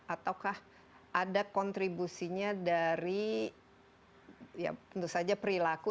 ataukah ada kontribusinya dari ya tentu saja perilaku